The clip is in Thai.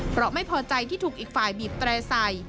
เพราะไม่พอใจที่ถูกอีกฝ่ายบีบแตร่ใส่